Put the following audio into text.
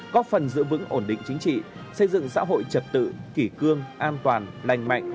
góp phần giữ vững ổn định chính trị xây dựng xã hội trật tự kỷ cương an toàn lành mạnh